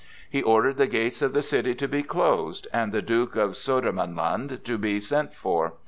He ordered the gates of the city to be closed and the Duke of Sodermanland to be sent for.